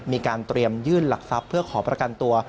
มีการเตรียมยื่นหลักทรัพย์เพื่อขอประกันตัว